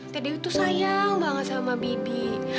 teh dewi tuh sayang banget sama bibi